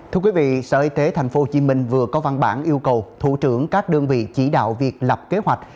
thưa quý vị sở y tế tp hcm vừa có văn bản yêu cầu thủ trưởng các đơn vị chỉ đạo việc lập kế hoạch